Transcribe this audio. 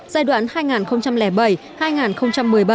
giai đoạn hai nghìn bảy hai nghìn một mươi bảy